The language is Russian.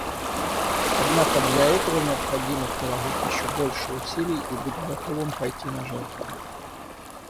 Однако для этого необходимо приложить еще больше усилий и быть готовым пойти на жертвы.